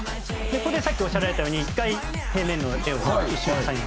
ここでさっきおっしゃられたように１回平面の画を一緒に。